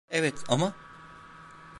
Evet, ama...